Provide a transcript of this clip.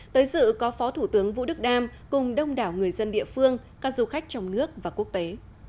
tới dự có phó thủ tướng vũ đức đam cùng đông đảo người dân địa phương các du khách trong nước và quốc tế